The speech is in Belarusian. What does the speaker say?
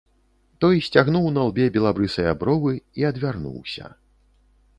Той сцягнуў на лбе белабрысыя бровы і адвярнуўся.